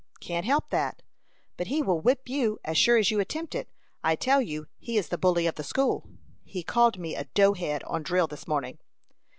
"Can't help that." "But he will whip you, as sure as you attempt it. I tell you he is the bully of the school." "He called me a dough head, on drill, this morning."